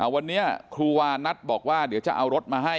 วันนี้ครูวานัทบอกว่าเดี๋ยวจะเอารถมาให้